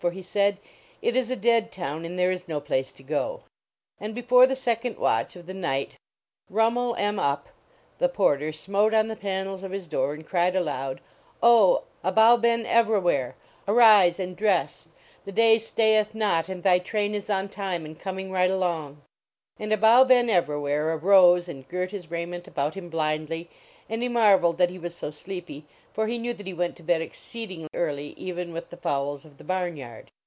For he said: "It is a dead town and there is no place to go." And before the second watch of the ni^lit Rhumul em Uhp the Porter smote on the panels of his door and cried aloud: " Oh, Abou Hen Kvrawhair, arise and 227 THE LEGEND OF THE GOOD DRUMMUH dress ! The day stayeth not and thy train is on time and coming right along!" And Abou Ben Evrawhair arose and girt his raiment about him blindly, and he mar veled that he was so sleepy, for he knew that he went to bed exceeding early, even with the fowls of the barn yard.